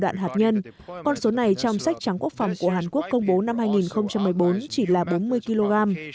đạn hạt nhân con số này trong sách trắng quốc phòng của hàn quốc công bố năm hai nghìn một mươi bốn chỉ là bốn mươi kg